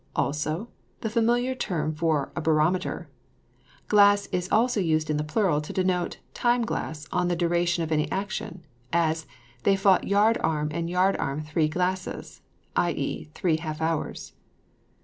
Also, the familiar term for a barometer. Glass is also used in the plural to denote time glass on the duration of any action; as, they fought yard arm and yard arm three glasses, i.e. three half hours.